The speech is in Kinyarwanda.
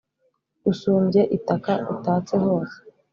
usumbye itaka utatse hose